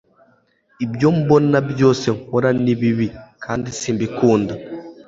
ibyo mbona byose nkora ni bibi kandi si mbikunda